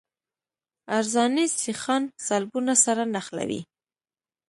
عرضاني سیخان سلبونه سره نښلوي